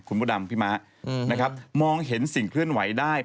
คุณพระดำพี่ม้านะครับมองเห็นสิ่งเคลื่อนไหวได้